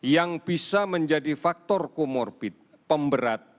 yang bisa menjadi faktor komorbit pemberat